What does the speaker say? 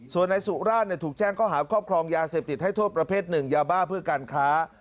ส่วนนายสุราชถูกแจ้งข้อหาครอบครองยาเสพติดให้โทษประเภทหนึ่งยาบ้าเพื่อการค้า